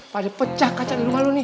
pada pecah kaca di rumah lo nih